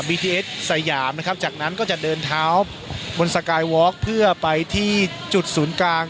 ทีเอสสยามนะครับจากนั้นก็จะเดินเท้าบนสกายวอล์กเพื่อไปที่จุดศูนย์กลาง